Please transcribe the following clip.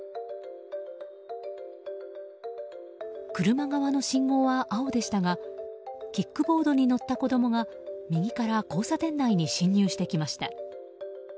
車側の信号は青でしたがキックボードに乗った子供が右から交差点内に進入してきました。